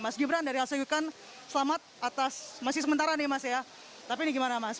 mas gibran dari al singukan selamat atas masih sementara nih mas ya tapi ini gimana mas